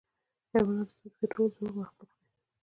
حیوانات د ځمکې تر ټولو زوړ مخلوق دی.